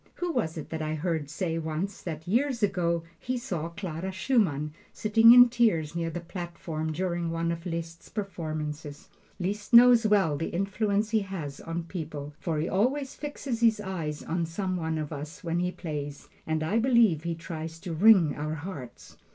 Who was it that I heard say once, that years ago he saw Clara Schumann sitting in tears near the platform during one of Liszt's performances? Liszt knows well the influence he has on people, for he always fixes his eyes on some one of us when he plays, and I believe he tries to wring our hearts.